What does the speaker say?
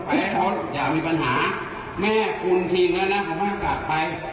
ให้เขาอย่ามีปัญหาแม่คุณทิ้งแล้วนะผมให้กลับไป